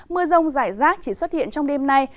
mưa rông rải rác chỉ xuất hiện trong đêm nay